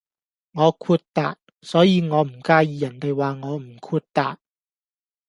我豁達，所以我唔介意人地話我唔豁達